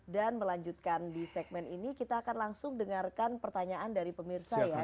dan melanjutkan di segmen ini kita akan langsung dengarkan pertanyaan dari pemirsa ya